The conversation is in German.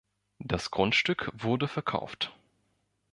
Das Grundstück wurde verkauft.